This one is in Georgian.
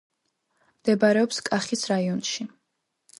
მდებარეობს კახის რაიონში.